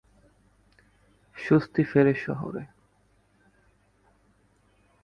স্বস্তি ফেরে শহরে।